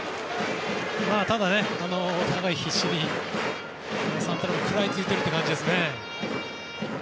ただお互い必死にサンタナも食らいついているという感じですね。